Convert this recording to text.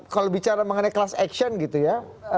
kalau bicara mengenai kelas action gitu ya